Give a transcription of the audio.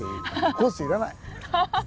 コース要らない！